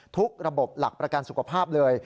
ทุกระบบหลักประกันสุขภาพเลย